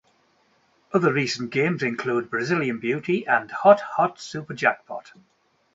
Other recent games include "Brazilian Beauty" and "Hot Hot Super Jackpot".